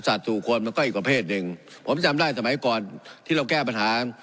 ถูกคนมันก็อีกประเภทหนึ่งผมจำได้สมัยก่อนที่เราแก้ปัญหา